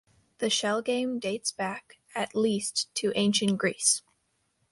The shell game dates back at least to Ancient Greece.